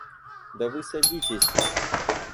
Да вы садитесь.